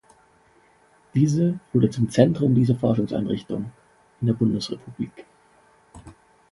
Diese wurde zum Zentrum dieser Forschungsrichtung in der Bundesrepublik.